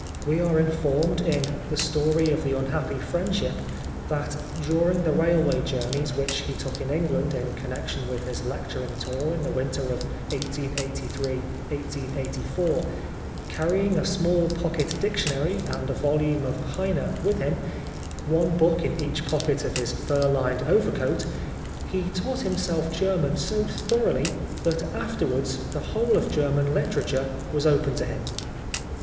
We are informed in " The Story of the Unhappy Friend ship," that "during the railway journeys which he took in England in connection with his lec turing tour in the winter of 1883 1884, carrying a small pocket dictionary and a volume of Heine with him, one book in each pocket of his fur lined overcoat, he taught himself German so thoroughly that afterwards the whole of German literature was open to him."